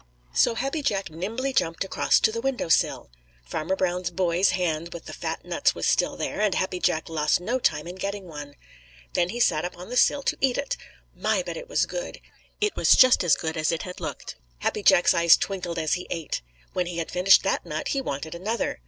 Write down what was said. So Happy Jack nimbly jumped across to the window sill. Farmer Brown's boy's hand with the fat nuts was still there, and Happy Jack lost no time in getting one. Then he sat up on the sill to eat it. My, but it was good! It was just as good as it had looked. Happy Jack's eyes twinkled as he ate. When he had finished that nut, he wanted another.